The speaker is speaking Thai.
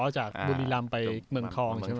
จากบุรีลำไปเมืองทอง